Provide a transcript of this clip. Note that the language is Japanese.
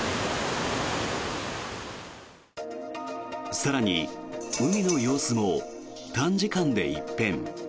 更に、海の様子も短時間で一変。